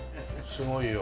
すごいよ。